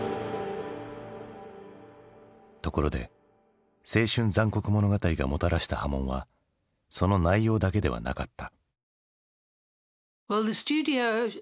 ところで「青春残酷物語」がもたらした波紋はその内容だけではなかった。